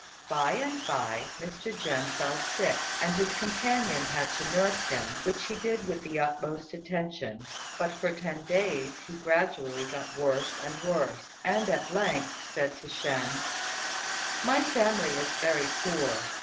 By and by Mr. Jen fell sick, and his companion had to nurse him, which he did with the utmost attention, but for ten days he gradually got worse and worse, and at length said to Shên, "My family is very poor.